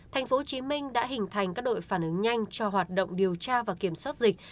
tp hcm đã hình thành các đội phản ứng nhanh cho hoạt động điều tra và kiểm soát dịch